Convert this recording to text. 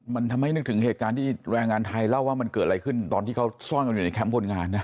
มันทำให้นึกถึงเหตุการณ์ที่แรงงานไทยเล่าว่ามันเกิดอะไรขึ้นตอนที่เขาซ่อนกันอยู่ในแคมป์คนงานนะ